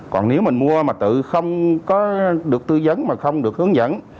còn nếu mình mua mà tự không có được tư vấn mà không được hướng dẫn